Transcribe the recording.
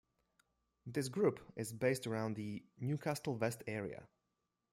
This Group is based around the Newcastle West area.